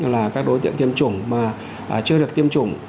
là các đối tượng tiêm chủng mà chưa được tiêm chủng